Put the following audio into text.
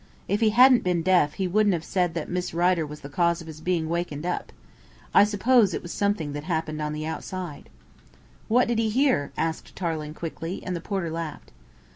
If he hadn't been deaf, he wouldn't have said that Miss Rider was the cause of his being wakened up. I suppose it was something that happened outside." "What did he hear?" asked Tarling quickly, and the porter laughed.